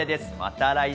また来週！